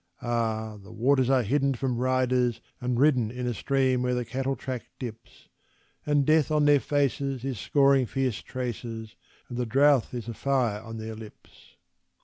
Ah! the waters are hidden from riders and ridden In a stream where the cattle track dips; And Death on their faces is scoring fierce traces, And the drouth is a fire on their lips.